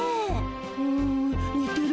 うんにてるわ。